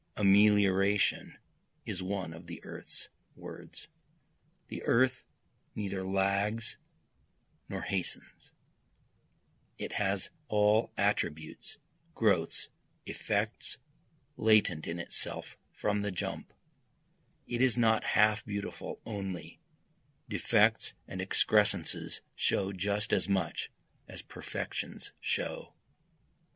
Amelioration is one of the earth's words, The earth neither lags nor hastens, It has all attributes, growths, effects, latent in itself from the jump, It is not half beautiful only, defects and excrescences show just as much as perfections show.